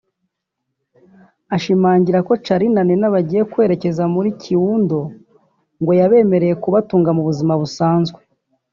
ashimangira ko Charly na Nina bagiye kwerekeza muri Kiwundo ngo yabemereye kubatunga mu buzima busanzwe